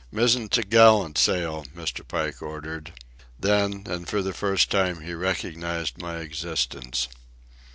"Mizzen topgallant sail!" Mr. Pike ordered. Then, and for the first time, he recognized my existence.